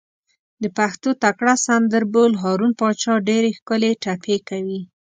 د پښتو تکړه سندر بول، هارون پاچا ډېرې ښکلې ټپې کوي.